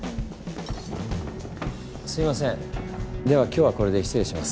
すいませんでは今日はこれで失礼します。